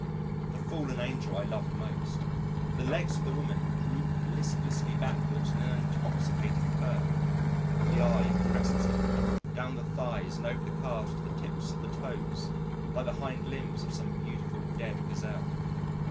The "Fallen Angel" I loved most. The legs of the woman droop lifelessly backwards in an intoxicating curve. The eye caresses it down the thighs and over the calves to the tips of the toes like the hind limbs of some beautiful dead gazelle.